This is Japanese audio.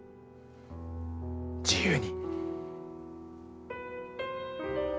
自由に。